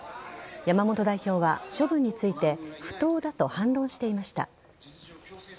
山本代表は、処分について不当だと反論していました。